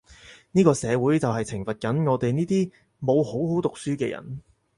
呢個社會就係懲罰緊我哋呢啲冇好好讀書嘅人